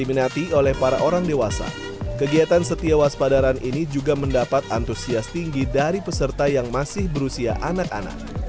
diminati oleh para orang dewasa kegiatan setiawaspadaran ini juga mendapat antusias tinggi dari peserta yang masih berusia anak anak